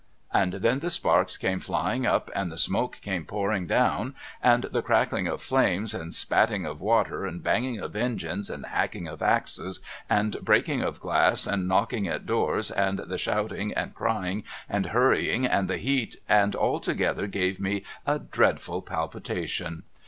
' And then the sparks came flying up and the smoke came pouring down and the crackling of flames and spatting of water and banging of engines and hacking of axes and breaking of glass and knocking at doors and the shout ing and crying and hurrying and the heat and altogether gave me a dreadful palpitation.